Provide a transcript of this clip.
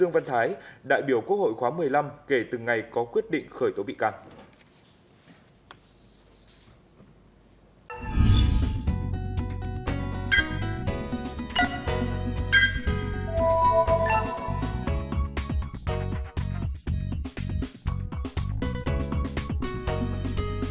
ủy ban thường vụ quốc hội khóa một mươi năm kể từng ngày có quyết định khởi tố bị can